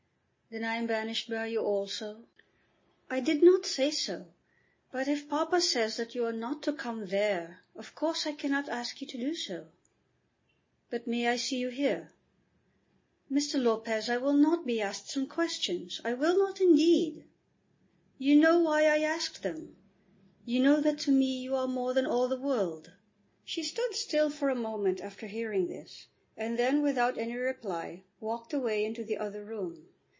"Then I am banished by you also?" "I did not say so. But if papa says that you are not to come there, of course I cannot ask you to do so." "But I may see you here?" "Mr. Lopez, I will not be asked some questions. I will not indeed." "You know why I ask them. You know that to me you are more than all the world." She stood still for a moment after hearing this, and then without any reply walked away into the other room.